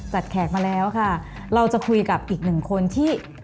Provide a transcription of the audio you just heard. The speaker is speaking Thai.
แขกมาแล้วค่ะเราจะคุยกับอีกหนึ่งคนที่